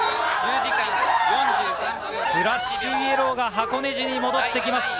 フラッシュイエローが箱根路に戻ってきます。